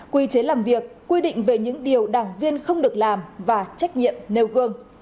quy chế làm việc quy định về những điều đảng viên không được làm và trách nhiệm nêu gương